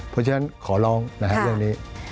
เพราะฉะนั้นขอลองเรื่องนี้